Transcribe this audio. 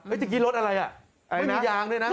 เมื่อกี้รถอะไรอ่ะไม่มียางด้วยนะ